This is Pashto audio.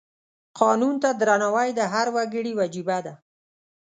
قانون ته درناوی د هر وګړي وجیبه ده.